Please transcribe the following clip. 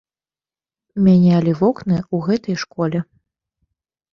Мянялі вокны ў гэтай школе.